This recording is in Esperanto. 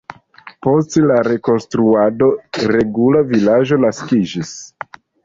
Post la rekonstruado regula vilaĝo naskiĝis.